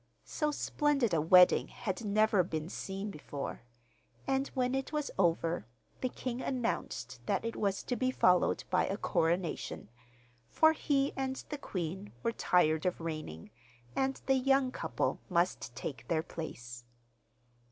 So splendid a wedding had never been seen before; and when it was over the king announced that it was to be followed by a coronation, for he and the queen were tired of reigning, and the young couple must take their place.